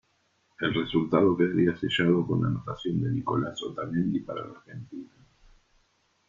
El resultado quedaría sellado con la anotación de Nicolás Otamendi para la Argentina.